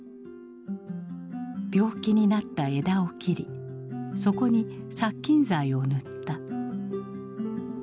病気になった枝を切りそこに殺菌剤を塗った。